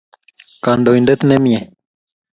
Kandoindet nemiei